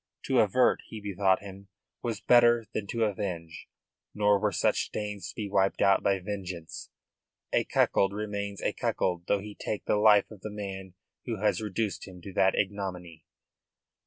To avert, he bethought him, was better than to avenge. Nor were such stains to be wiped out by vengeance. A cuckold remains a cuckold though he take the life of the man who has reduced him to that ignominy.